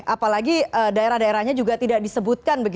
apalagi daerah daerahnya juga tidak disebutkan